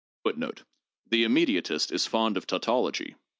8 ŌĆó The immediatist is fond of tautology.